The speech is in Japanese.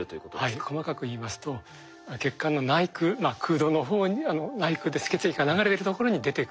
はい細かく言いますと血管の内腔空洞の方に内腔で血液が流れるところに出てくような経路もありますし